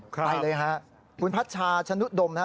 ไปเลยฮะคุณพัชชาชนุดมนะฮะ